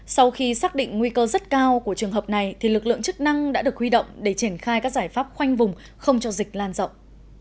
sau khi xác định nguy cơ rất cao của trường hợp này lực lượng chức năng đã được huy động để triển khai các giải pháp khoanh vùng không cho dịch lan rộng